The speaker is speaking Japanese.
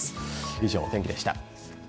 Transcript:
以上、お天気でした。